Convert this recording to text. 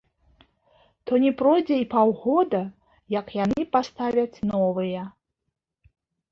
То не пройдзе і паўгода, як яны паставяць новыя.